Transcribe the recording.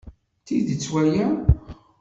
D tidet waya.